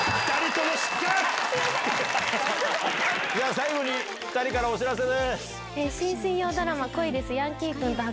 最後に２人からお知らせです。